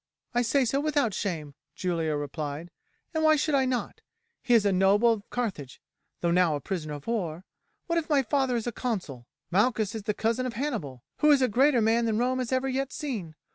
"I say so without shame," Julia replied, "and why should I not? He is a noble of Carthage, though now a prisoner of war. What if my father is a consul? Malchus is the cousin of Hannibal, who is a greater man than Rome has ever yet seen.